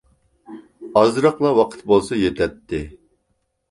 ئازراقلا ۋاقىت بولسا يېتەتتى.